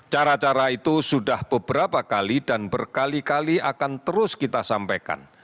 cara cara itu sudah beberapa kali dan berkali kali akan terus kita sampaikan